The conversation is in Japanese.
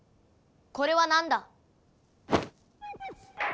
これは何だ？